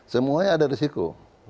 semuanya ada risiko